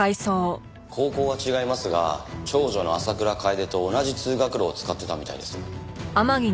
高校は違いますが長女の浅倉楓と同じ通学路を使ってたみたいです。